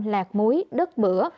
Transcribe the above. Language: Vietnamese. lạc muối đớt bữa